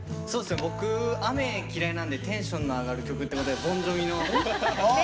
僕、雨嫌いなんでテンションの上がる曲ってことでボン・ジョヴィの。